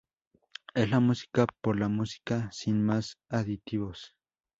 Es la música por la música, sin más aditivos.